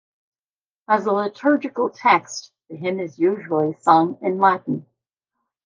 As a liturgical text, the hymn is usually sung in Latin.